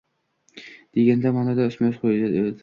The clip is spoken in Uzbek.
degan ma’noda ustma-ust yo‘taldi: